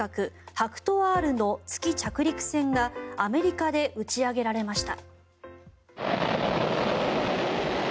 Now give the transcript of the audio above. ＨＡＫＵＴＯ−Ｒの月着陸船がアメリカで打ち上げられました。